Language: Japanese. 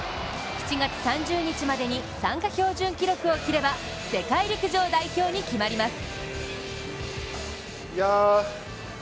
７月３０日までに参加標準記録を切れば世界陸上代表に決まります。